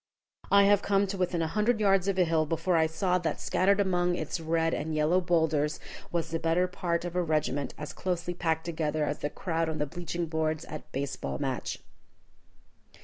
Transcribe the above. I have come to within a hundred yards of a hill before I saw that scattered among its red and yellow bowlders was the better part of a regiment as closely packed together as the crowd on the bleaching boards at a base ball match.